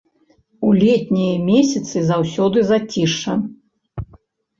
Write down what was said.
У летнія месяцы заўсёды зацішша.